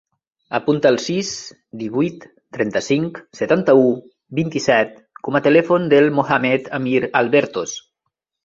Apunta el sis, divuit, trenta-cinc, setanta-u, vint-i-set com a telèfon del Mohamed amir Albertos.